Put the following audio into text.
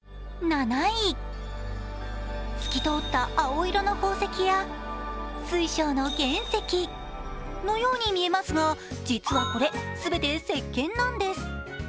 透き通った青色の宝石や水晶の原石のように見えますが実はこれ全てせっけんなんです。